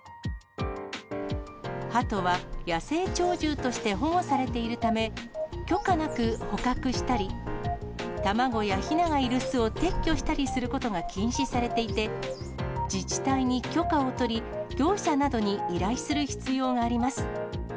ハトは野生鳥獣として保護されているため、許可なく捕獲したり、卵やひながいる巣を撤去したりすることが禁止されていて、自治体に許可を取り、業者などに依頼する必要があります。